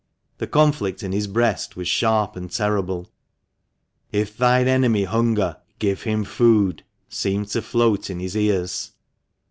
The conflict in his breast was sharp and terrible. "If thine enemy hunger, give him food," seemed to float in his ears.